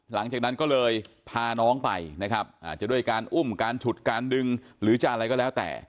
หลังจากนั้นก็เลยพาน้องไปนะครับอาจจะด้วยการอุ้มการฉุดการดึงหรือจะอะไรก็แล้วแต่